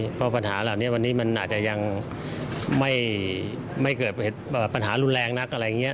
เพราะปัญหาเหล่านี้วันนี้มันอาจจะยังไม่เกิดปัญหารุนแรงนักอะไรอย่างนี้